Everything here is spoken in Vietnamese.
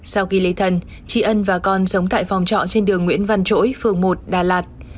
sau khi lấy thần chị ân và con sống tại phòng trọ trên đường nguyễn văn trỗi phường một đà lạt